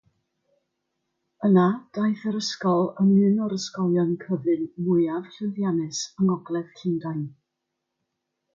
Yna daeth yr ysgol yn un o'r ysgolion cyfun mwyaf llwyddiannus yng Ngogledd Llundain.